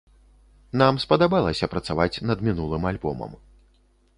Нам спадабалася працаваць над мінулым альбомам.